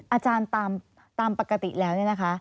อาจารย์ตามปกติแล้วเนี่ยนะคะ